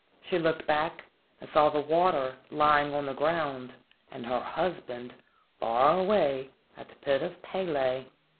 She looked back and saw the water lying on the ground, and her husband far beyond at the pit of Pele.